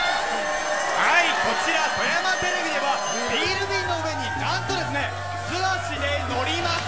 こちら富山テレビではビール瓶の上に何とですね素足で乗ります。